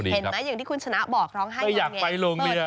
เห็นไหมอย่างที่คุณชนะบอกร้องไห้อย่างไง